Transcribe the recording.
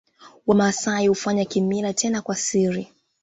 Wamasai hufanya kimila tena kwa siri